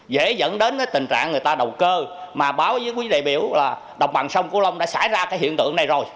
dễ dẫn đến tình trạng người ta đầu cơ mà báo với quý vị đại biểu là đồng bằng song cửu long đã xảy ra hiện tượng này rồi